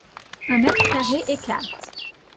Un mètre-carré et quart.